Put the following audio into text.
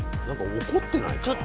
何か怒ってないか？